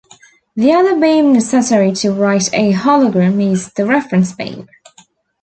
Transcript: The other beam necessary to write a hologram is the reference beam.